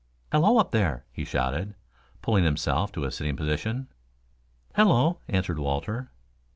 "Hello, up there!" he shouted, pulling himself to a sitting position. "Hello!" answered Walter.